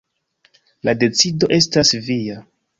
La decido estas via.